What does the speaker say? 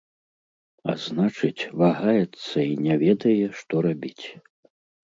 А значыць, вагаецца і не ведае, што рабіць.